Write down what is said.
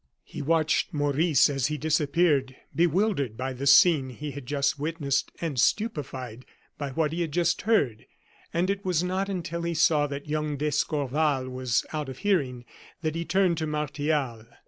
He watched Maurice as he disappeared, bewildered by the scene he had just witnessed, and stupefied by what he had just heard; and it was not until he saw that young d'Escorval was out of hearing that he turned to Martial.